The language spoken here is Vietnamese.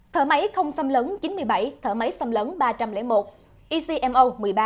thở máy không xâm lấn chín mươi bảy thở máy xâm lấn ba trăm linh một ecmo một mươi ba